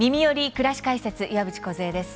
くらし解説」岩渕梢です。